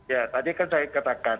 ya tadi kan saya katakan